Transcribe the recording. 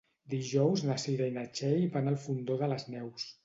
Dijous na Cira i na Txell van al Fondó de les Neus.